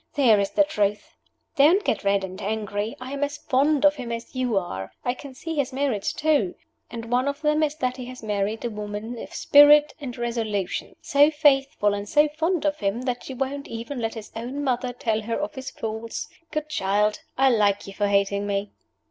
There is the truth! Don't get red and angry. I am as fond of him as you are. I can see his merits too. And one of them is that he has married a woman of spirit and resolution so faithful and so fond of him that she won't even let his own mother tell her of his faults. Good child! I like you for hating me!"